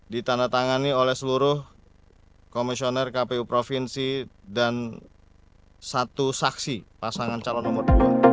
ditandatangani oleh seluruh komisioner kpu provinsi dan satu saksi pasangan calon nomor dua